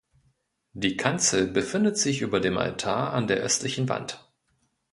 Die Kanzel befindet sich über dem Altar an der östlichen Wand.